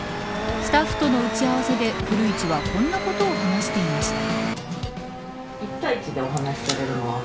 スタッフとの打ち合わせで古市はこんなことを話していました。